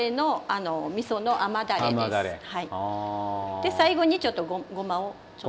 で最後にちょっとごまをちょっと。